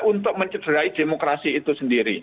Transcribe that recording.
untuk mencederai demokrasi itu sendiri